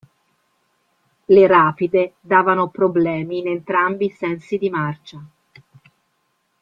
Le rapide davano problemi in entrambi i sensi di marcia.